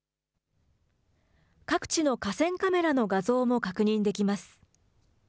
各地の河川カメラの画像も確認できます。